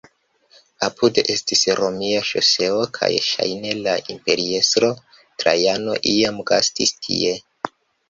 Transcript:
Apude estis romia ŝoseo kaj ŝajne la imperiestro Trajano iam gastis tie.